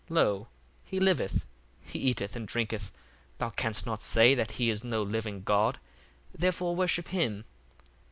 lo, he liveth, he eateth and drinketh; thou canst not say that he is no living god: therefore worship him.